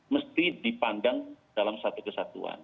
mesti dipandang dalam satu kesatuan